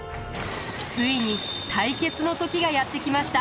ついに対決の時がやって来ました。